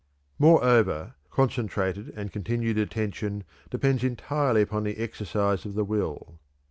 Moreover, concentrated and continued attention depends entirely upon the exercise of the will.